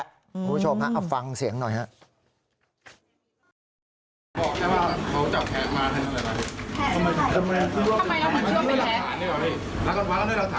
คุณผู้ชมฮะเอาฟังเสียงหน่อยครับ